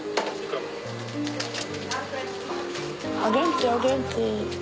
お元気お元気。